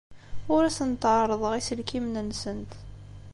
Ur asent-ɛerrḍeɣ iselkimen-nsent.